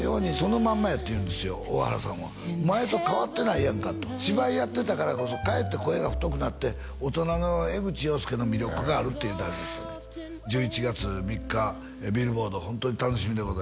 大原さんは「前と変わってないやんか」と芝居やってたからこそかえって声が太くなって大人の江口洋介の魅力があるって言うてはりましたね１１月３日ビルボードホントに楽しみでございます